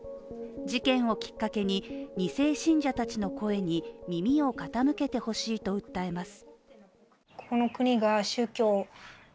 事件をきっかけに２世信者たちの声に耳を傾けてほしいと訴えます。